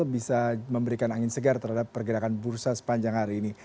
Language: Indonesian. bisa memberikan angin segar terhadap pergerakan bursa sepanjang hari ini